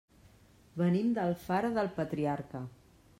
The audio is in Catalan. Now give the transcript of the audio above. Venim d'Alfara del Patriarca.